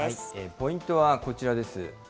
ポイントはこちらです。